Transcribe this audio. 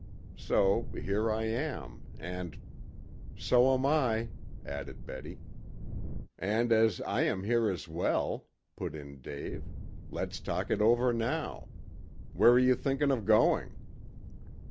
So here I am, and " "So am I," added Betty. "And as I am here as well," put in Dave, "let's talk it over now. Where are you thinking of going?"